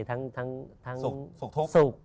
ทั้งสุข